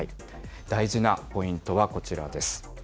大事なポイントはこちらです。